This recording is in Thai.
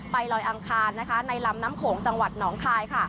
ลอยอังคารในลำน้ำโขงจังหวัดหนองคาย